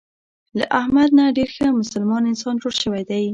له احمد نه ډېر ښه مسلمان انسان جوړ شوی دی.